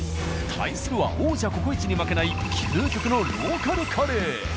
対するは王者「ココイチ」に負けない究極のローカルカレー。